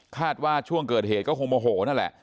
ว่าช่วงเกิดเหตุก็คงโมโหนั่นแหละ